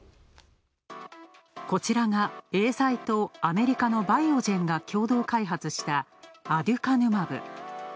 こちらが、エーザイとアメリカのバイオジェンが共同開発したアデュカヌマブ。